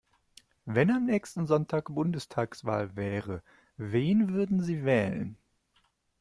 Wenn am nächsten Sonntag Bundestagswahl wäre, wen würden Sie wählen?